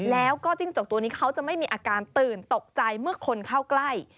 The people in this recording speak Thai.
แล้วก็จิ้งจกตัวนี้เขาจะไม่มีอาการตื่นตกใจเมื่อคนเข้าใกล้